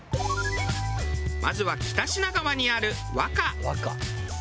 まずは北品川にある和渦。